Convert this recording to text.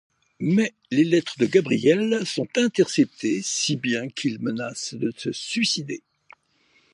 Mais les lettres de Gabrielle sont interceptées si bien qu'il menace de se suicider.